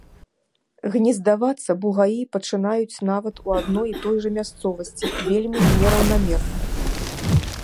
Гнездавацца бугаі пачынаюць нават у адной і той жа мясцовасці вельмі нераўнамерна.